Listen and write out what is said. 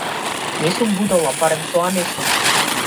Не сум будала, барем тоа не сум.